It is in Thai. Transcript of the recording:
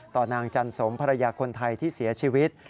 นางจันสมภรรยาคนไทยที่เสียชีวิต